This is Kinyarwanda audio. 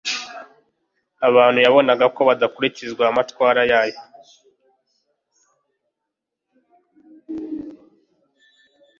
abantu yabonaga ko badakurikiza amatwara yayo